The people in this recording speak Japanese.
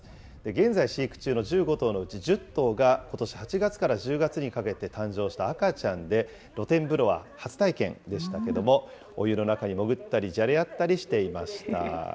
現在、飼育中の１５頭のうち１０頭が、ことし８月から１０月にかけて誕生した赤ちゃんで、露天風呂は初体験でしたけれども、お湯の中に潜ったり、じゃれあったりしていました。